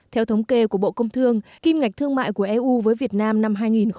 theo thống kê của bộ công thương kim ngạch thương mại của eu với việt nam năm hai nghìn một mươi tám